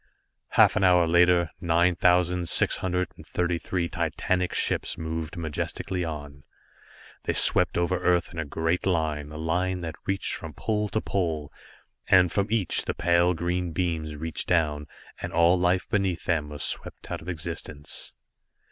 Half an hour later, nine thousand six hundred and thirty three titanic ships moved majestically on. They swept over Earth in a great line, a line that reached from pole to pole, and from each the pale green beams reached down, and all life beneath them was swept out of existence.